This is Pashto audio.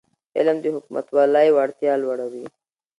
علم د حکومتولی وړتیا لوړوي.